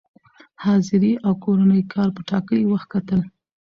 حاضري او کورني کار په ټاکلي وخت کتل،